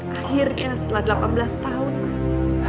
akhirnya setelah delapan belas tahun mas